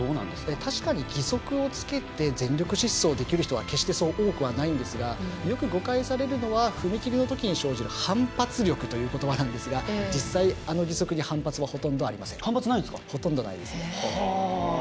確かに義足をつけて全力疾走できる人は多くないんですがよく誤解されるのは踏み切りのときに生じる反発力といわれるんですが実際、あの義足に反発はほとんどありません。